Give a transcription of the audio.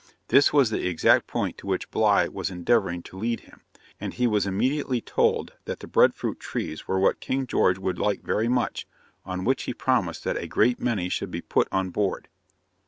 This was the exact point to which Bligh was endeavouring to lead him, and he was immediately told that the bread fruit trees were what King George would like very much, on which he promised that a great many should be put on board.